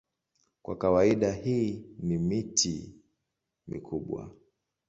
Kwa kawaida hii ni miti mikubwa.